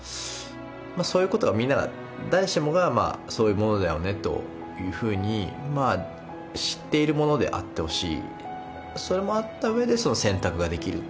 そういうことがみんなが誰しもが「そういうものだよね」というふうに知っているものであってほしい。